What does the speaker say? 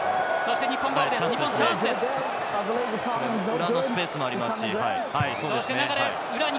裏のスペースもありますし。